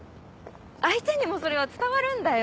相手にもそれは伝わるんだよ！